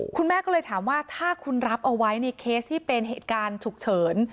คุณแม่ก็เลยถามว่าถ้าคุณรับเอาไว้ในเคสที่เป็นเหตุการณ์ฉุกเฉิน